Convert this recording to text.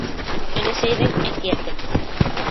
ӨЛӘСӘЙҘЕҢ ӘКИӘТЕ